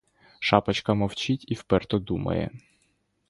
Шапочка мовчить і вперто думає.